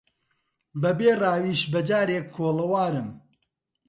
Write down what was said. بە بێ ڕاویش بەجارێک کۆڵەوارم